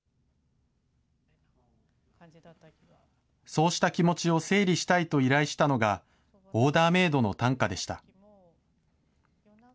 そうした気持ちを整理したいと依頼したのが、オーダーメードの短歌でした。